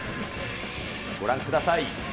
ご覧ください。